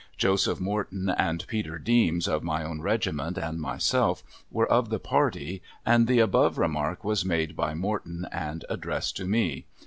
Joseph Morton and Peter Deems of my own regiment and myself were of the party and the above remark was made by Morton and addressed to me.